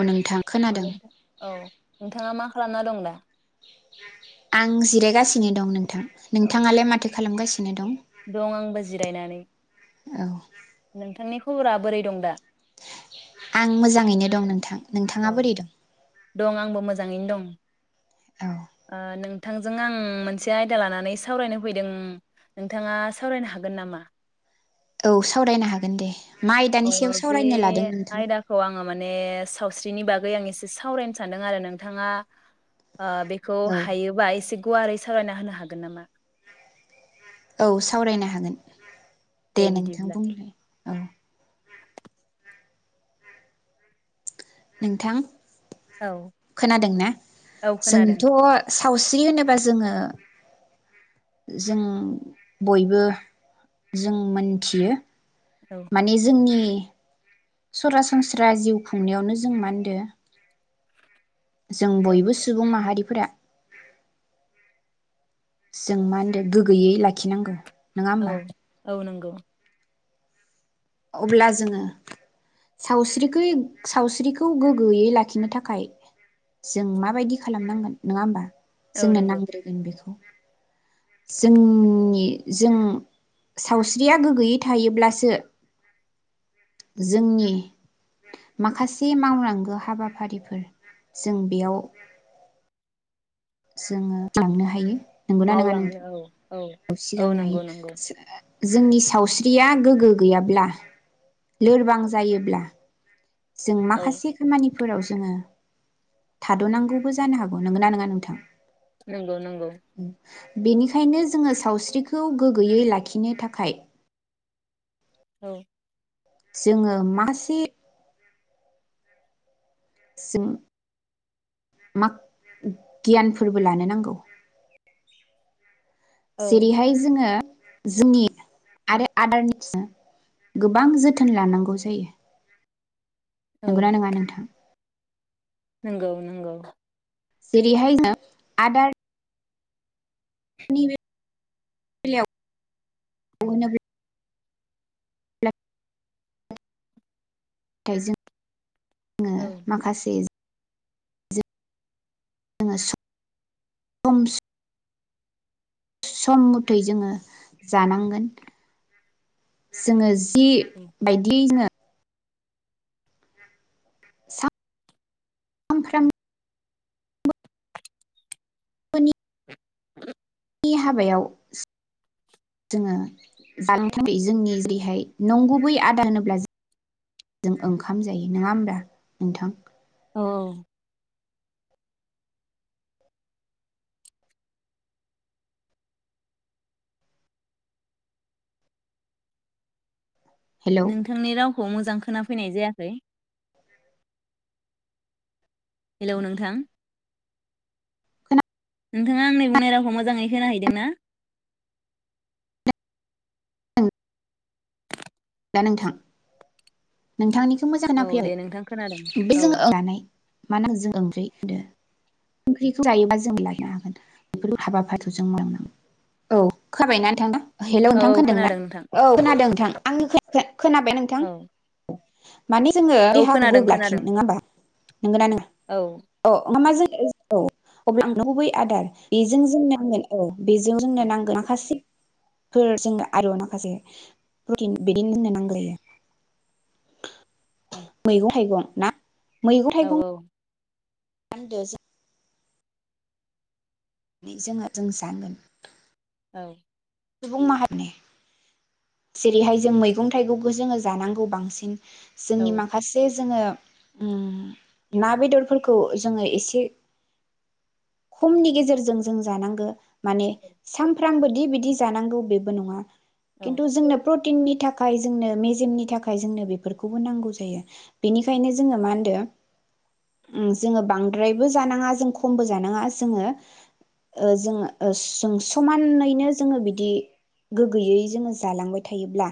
औ नोंथां अ खोनादों नोंथां औ नोंथाङा मा खालामना दं दा? आं जिरायगासिनो दं नोंथां औ नोंथाङालाय माथो खालामगासिन दं आंबो जिरायनानै औ नोंथांनि खबरा बोरै दं दा? आं मोजाङैनो दं नोंथां। नोंथाङा औ बोरै दं दं आंबो मोजां। मोजाङैनो दं। औ ओ नों नोंथांजों आं मोनसे आयदा लानानै सावरायनो फैदों नोंथाङा सावरायनो हागोन नामा? औ सावरायनो हागोन दे। माइ अ दानि सायाव बे सावरायनो लादों नोंथां? आयदाखौ आङो माने सावस्रिनि बागै आं एसे सावरायनो सानदों आरो नोंथाङा ओ बेखौ औ हायोबा एसे गुवारै सावरायना होनो हागोन नामा? औ सावरायनो हागोन। दे नोंथां बुंलाय। ओं। नोंथां औ खोनादों ना औ खोनादों जोंथ' सावस्रि होनोबा जोङो जों बयबो जों मोनथियो औ माने जोंनि [inaudible] सरासनस्रा जिउ खुंनायावनो जों मा होनदो जों औ बयबो सुबुं माहारि फोरा जों मा होनदो गोगोयै लाखिनांगौ। नोङा औ होमबा? औ नोंगौ। अब्ला जोङो सावस्रिखै सावस्रिखौ गोगोयै लाखिनो थाखाय जों माबायदि खालामनांगोन नोङा होमबा। औ जोंनो नंगौ नांग्रोगोन बेखौ। जोंनि जों सावस्रिया गोगोयै थायोब्लासो जोंनि माखासे मावनांगो हाबाफारिफोर जों बेयाव जोङो थांनो हायो। नंगौना नङा मावलाङो नोंथां औ ओ सिगांनो हायो [unintelligible] जोंनि सावस्रिया गोगो गैयाब्ला लोरबां जायोब्ला जों औ माखासे खामानि फोराव जोङो थादनांगौबो जानो हागौ नोंगौ ना नोङा नोंथां? नोंगौ नोंगौ। बेनिखायनो जोङो सावस्रिखौ गोगोयै लाखिनो थाखाय औ जोङो मासे जों मा गियानफोरबो लानो नांगौ। औ जेरैहाय जोङो जोंनि आरो आदारनि [unintelligible] गोबां जोथोन लानांगौ जायो। नोंगौ ना नोङा नोंथां? नोंगौ नोंगौ। जेरिहाय [unintelligible] आदार निबे बेलायाव बयनाबो [unintelligible] दा‌ जों ओ औ माखासे जोङो सम सम सम मथै जोङो जानांगोन जोङो जि जि औ बायदियै जोङो सा [unintelligible] बोनि [inaudible] बि हाबायाव जोङो जालांथों जोंनि जेरैहाय नंगुबै आदार होनोब्ला जों ओंखाम जायो नङा होमब्ला नोंथां, औ हेलौ नोंथांनि राव मोजां खोना फैनाय जायाखै हेलौ नोंथां नोंथाङा आंनि बुंनाय रावखौ मोजाङै खोनाहैदोंना? खोनादों दा नोंथां नोंथांनि मोजां औ दे नोंथां खोनादों औ होनना [unintelligible] मानो जों ओंख्रि होनदो ओंख्रिखौ जायोबा जों लायनो हागोन बेफोर हाबाफारि जों मोननां औ खोनाबायना नोंथा? हेल औ नोंथां औ खोनादों ना नोंथां औ खोनादों नोंथां आंनि खे, खे खोनाबाय नोंथां? औ माने जोङो औ देहाखौ खोनादों गोग्गो लाखिनो खोनादों नङा होमबा नोंगोन ना नङा औ अ ना जों औ अब्ला गुबै आदार बेजों जों नांगोन औ बेजों जोंनो औ नांगोन माखासे फोरजों आरु माखासे प्रटिन, [unintelligible] औ मैगं थाइगं ना मैगं औ थाइगं मा‌ होनदो जों नानै जोङो जों सानगोन औ सुबुं माहारिनि जेरैहाय जों मैगं थाइगंखौ जोङो जानांगौ बांसिन औ जोंनि माखासे जोंङो उम ना बेदरफोरखौ जोंङो एसे खमनि गेजेरजों जों जानांगो। माने सामफ्रा फ्लांबोदि बिदि जानांगौ बेबो नङा। खिन्थु जोंनो प्रुट तिननि थाखाय जोंनो मेजेमनि थाखाय जोंनो बेफोरखौबो नांगौ जायो बेनिखायनो जोङो मा होनदो ओम जोङो बांद्रायबो जानाङा जों खमबो जानाङा जोंङो ओ जोङो ओ स स जों समानैनो। जोङो बिदि गोग्गोयै जोङो जालांबाय थायोब्ला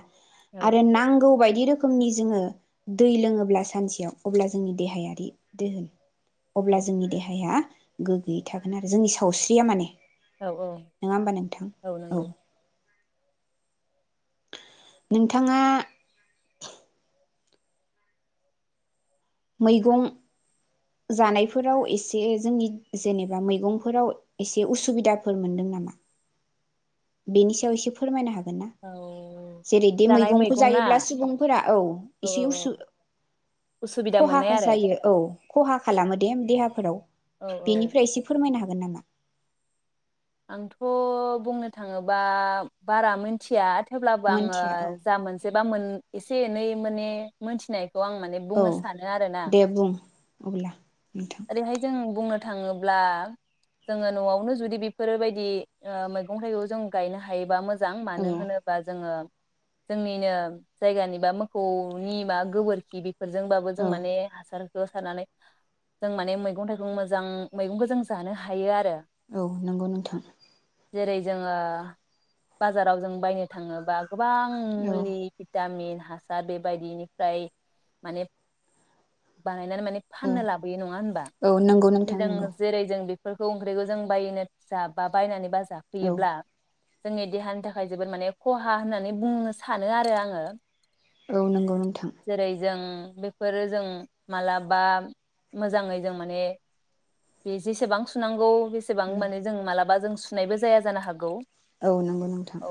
आरो नांगौबाय बि रोखोमनि जोङो दै लोङोब्ला सानसेयाव अब्ला जोंनि देहायारि दोहोन अब्ला जोंनि देहाया गोगोयै थागोन आरो जोंनि सावस्रिया माने। नोङा ओमबा नोंथां? औ नोंगौ। नोंथाङा मैगं जानायफोराव एसे जोंनि जेनेबा मैगंफोराव एसे उसुबिदाफोर मोनदों नामा? बेनि सायाव एसे फोरमायनो हाग औ जेरैदि जानाय मैगंखौ मैगं ना जायोब्ला सुबुंफोरा औ औ एसे औ उसु उसुबिदा खहा मोननाय खो आरो जायो औ। खहा खालामो दे-देहाफोराव। औ औ बेनिफ्राय एसे फोरमायनो हाग गोन नामा? आंथ' बुंनो थाङोबा बारा मोनथिया। अब्लाबो आङो मोनथिया औ जा मोनसे बा मोन एसे एनै माने मोनथिनाय खौ आं माने औ बुंनो सानो आरोना दे बुं अब्ला नोंथां ओरैहाय जों बुंनो थाङोब्ला जोङो न'आवनो जुदि बि फोरबायदि ओ मैगं थाइगं जों गायनो हायोबा मोज जां औ मानो होनोबा जोङो। जोंनिनो जायगानि बा मोखौनि मा गोबोरखि बि फोरजोंबाबो जों औ माने हासार ज' सारनानै जों माने मैगं थाइगं मोजां मैगंखौ जों जानो हायो आरो औ नंगौ नोंथां। जेरै जोङो बाजाराव जों बायनो थाङोबा गोबां औ मुलि भिटामिन हासार बेबायनिफ्राय माने बान गायनानै माने औ फाननो लाबोयो नङा होनबा औ नंगौ नोंथां नंगौ [unintelligible] जेरै जों बि फोरखौ ओंख्रिखौ जों बायनो जाबा बायनानै बास औ जाफैयोब्ला। जोंनि देहानि थाखाय जोबोद माने खहा होननानै बुंनो सानो आरो आङो। औ नंगौ नों जेरै जों बेफोरो जों मालाबा मोजाङै जों माने बे जेसेबां सुनांगौ बेसेबां माने जों मालाबा जों सुनायबो जाया जानो हागौ। औ नोंगौ नोंथां। औ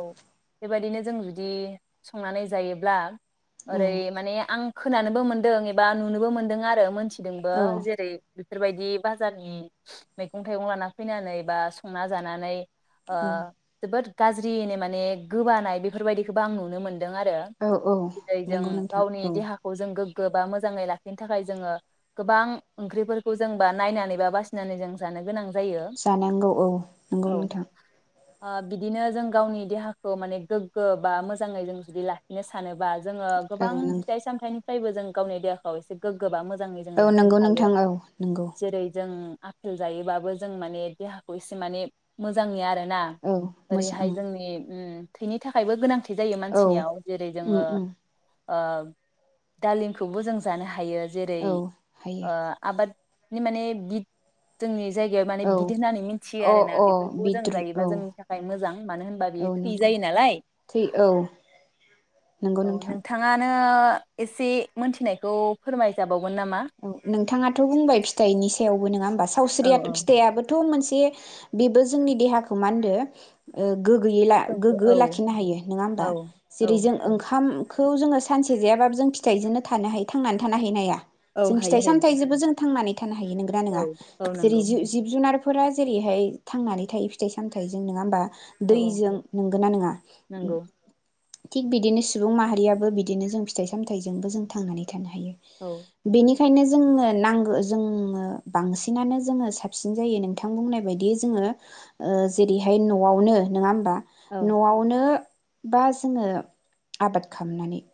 बेबायदिनो जों जुदि संनानै जायोब्ला औ ओरै ए आं खोनानोबो मोनदों एबा नुनोबो मोनदों आरो मोनथि दोंबो औ जेरै बेफोरबायदि बाजारनि मैगं थाइगं लाना फैनानै बा संना जानानै ओ औ जोबोद गाज्रियैनो माने गोबानाय बेफोरबायदिखौबो आं नुनो मोन औ औ नंगौ नोंथां। औ नि देहाखौ जों गोगो बा मोजाङै लाखिनो थाखाय जोङो गोबां ओंख्रिफोरखौ जों बा नायनानै बा बासिनानै जों जानो गोनां जायो जानांगौ औ नंगौ औ नोंथां। ओ बिदिनो जों गावनि देहाखौ माने गोग्गो बा मोजाङै जों जुदि लाखिनो सानोबा जोङो औ गोबां नों फिथाइ सामथाय निफ्रायबो जों गावनि देहाखौ एसे गोगो बा मोजां मोजाङै औ जों नंगौ लाखिनो हायो नोंथां औ नंगौ जेरै जों आफेल जायोबाबो जों माने देहाखौ एसे माने मोजांनि आरो। ना औ ओरैहाय मोजां जोंनि उम थैनि थाखायबो गोनां जायो औ मानसिनियाव जेरै उम जोङो उम ओ दालिमखौबो जों जानो हायो। जेरै औ हायो ओ आबाद नि माने बिद जोंनि। जायगायाव माने औ गिदिर होननानै मिथियो अ आरोना अ बेफोरखौ जों बिद्रु जायोबा औ जोंनि थाखाय मोजां मानो होनबा औ बेयो थै नंगौ जायो नालाय थै औ नंगौ औ। ओ नोंथां एसे मोनथिनायखौ फोरमाय जाबाव औ नोंथाङाथ बुंबाय फिथाइनि सायावबो नङा होमबा औ सावस्रिया फिथायाबोथ' थ मोनसे बेबो जोंनि देहाखौ मा होनदों गोगोयै औ गोगो लाखिनो हायो नङा होमबा औ औ जेरै जों ओंखाम खौ जोङो सानसे जायाबो जों फिथाइजोंनो थानो हायो थांनानै थानो है नाया औ जों फिथाइ हायो हायो सामथाइ जोंबो जों थांनानै थायो। थानो हायो नंगौना नंङा औ औ जेरै नंगौ जिब जुनार फोरा जेरैहाय थांनानै थायो फिथाइ सामथायाइजों नङा होमबा। औ औ दैजों नोंगो ना नोंङा? नंगौ थिग बिदिनो सुबुं माहारियाबो बिदिनो जों फिथाइ सामथायाइजोंबो जों थांनानै थानो। हायो औ बेनिखायनो जोंङोनो नांगौ जोङो बांसिनानो जोङो साबसिन जायो नोंथां बुंनाय बादि जोङो जेरैहाय नआवनो नङा होमबा औ न'आवनो बा जोङो आबाद खालामनानै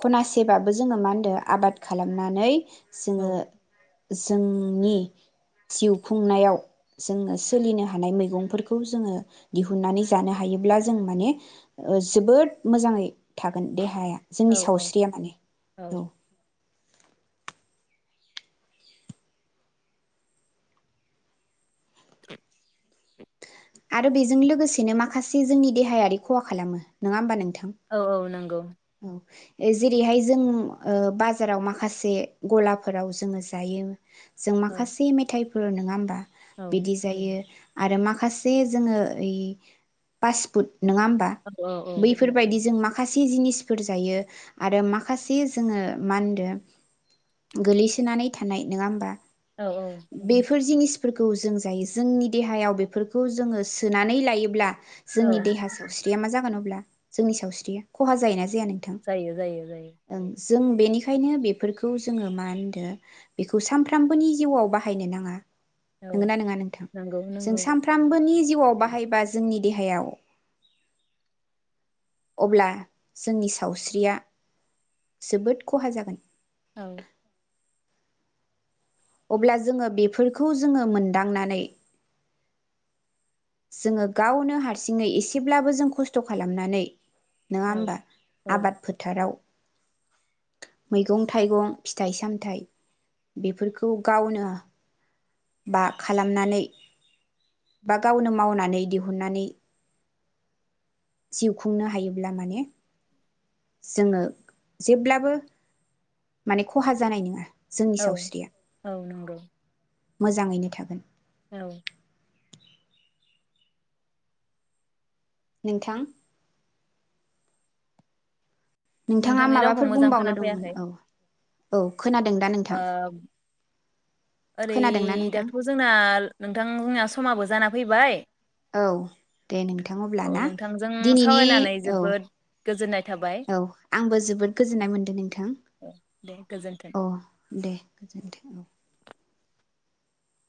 खना सेबाबो जोंङो मा होनदों आबाद खालामनानै औ जोङो जोंनि जिउ खुंनायाव जोङो सोलिनो हानाय मैगंफोरखौ जोङो दिहुननानै जानो हायोब्ला जों माने जोबोद मोजाङै थागोन देहाया। जोंनि औ सावस्रिया माने औ आरो बेजों लोगोसेनो माखासे जोंनि देहायारि खहा खालामो नंङा होमबा नों औ औ नंगौ। ए जेरै हाय जों बाजाराव माखासे गलाफोराव जोंङो जायो। जों औ माखासे मेथाइ फोर नंङा होमबा औ बिदि जायो। आरो माखासे जोङो ओइ पासफुड नङा होमबा औ बैफोरबायदि जों मा माखासे जिनिस फोर जायो आरो माखासे जोङो मा होनदों गोलैसोनानै थानाय नङा होमबा औ बेफोर जिनिस फोरखौ जों जायो जोंनि देहायाव बेफोरखौ जोङो सोनानै लायोब्ला जोंनि औ देहा सावस्रिया मा जागोन अब्ला जोंनि सावस्रिया खहा जायोना जाया नोंथां जायो जायो जायो। ओं जों बेनिखायनो बेफोरखौ जोङो मा होनदो बेखौ सानफ्रामबोनि जिउआव बाहायनो नाङा। औ नंगोनना नङा नोंथां नंगौ जों नंगौ सानफ्रामबोनि जिउआव बाहायबा जोंनि देहायाव अब्ला जोंनि सावस्रिया जोबोद खहा जागोन। औ अब्ला जोङो बेफोरखौ जोङो मोनदांनानै जोङो गावनो हारसिङै एसेब्लाबो जों खस्थ' खालामनानै नङा औ होमबा औ आबाद फोथाराव मैगं थाइगं फिथाइ सामथायाइ बेफोरखौ गावनो बा खालामनानै बा गावनो मावनानै दिहुननानै जिउ खुंनो हायोब्ला माने जोङो जेब्लाबो माने खहा जानाय नङा जोंनि औ सावस्रिया औ नंगौ। मोजाङैनो थागोन औ नोंथां नोंथाङा नोंथांनि रावखौ माबाफोर मोजां बुंबावनो दंमोन खोनाफैयाखै औ औ। खोनादों दा ओ नोंथां ओरै खोनादोंना नोंथां दाथ जोंना नोंथां जोंना समाबो जाना फैबाय औ दे नोंथां अबला औ ना नोंथांजों दिनैनि सावरायनानै औ जोबोद गोजोननाय थाबाय औ आंबो जोबोद गोजोननाय मोनदों नोंथां औ दे गोजोन्थों औ दे गोजोनथों औ